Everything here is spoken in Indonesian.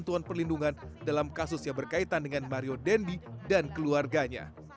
dan juga mendapat perlindungan dalam kasus yang berkaitan dengan mario dendi dan keluarganya